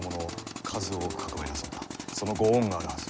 そのご恩があるはず。